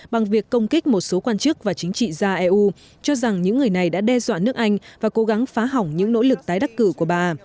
bằng việc công kích một số quan chức và chính trị gia eu cho rằng những người này đã đe dọa nước anh và cố gắng phá hỏng những nỗ lực tái đắc cử của bà